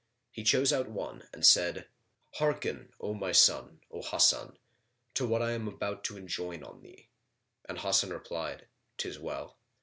He chose out one and said, "Hearken, O my son, O Hasan, to what I am about to enjoin on thee;" and Hasan replied, "'Tis well."